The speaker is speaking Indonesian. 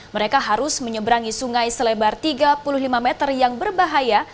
mereka harus menyeberangi sungai selebar tiga puluh lima meter yang berbahaya